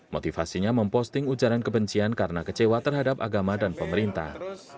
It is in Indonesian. motivasinya memposting ujaran kebencian karena kecewa terhadap agama dan pemerintah